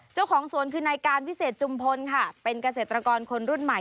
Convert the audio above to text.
เจ้าของสวนคือนายการวิเศษจุมพลค่ะเป็นเกษตรกรคนรุ่นใหม่